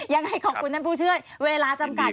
ยังไงขอบคุณท่านผู้ช่วยเวลาจำกัด